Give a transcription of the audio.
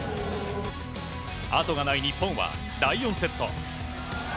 あとがない日本は第４セット。